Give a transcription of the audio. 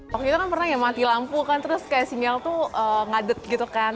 waktu itu kan pernah mati lampu terus sinyal itu ngadet gitu kan